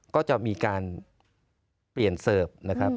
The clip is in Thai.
ก็จะมีการเปลี่ยนเสิร์ฟนะครับ